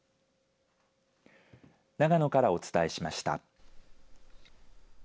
長野からお伝えしました。